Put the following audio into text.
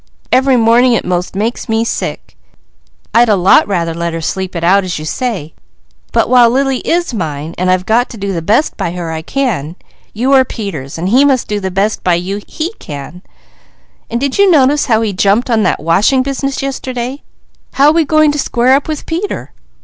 Every morning it 'most makes me sick. I'd a lot rather let her sleep it out as you say, but while Lily is mine, and I've got to do the best by her I can, you are Peter's so he must do the best by you he can; and did you notice how he jumped on that washing business yesterday? How we going to square up with Peter?"